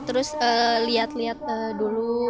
terus lihat lihat dulu